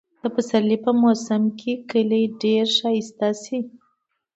د پسرلي په موسم کې کلى ډېر ښايسته شي.